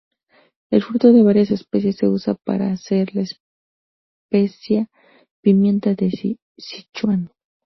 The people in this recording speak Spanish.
El fruto de varias especies se usa para hacer la especia pimienta de Sichuan.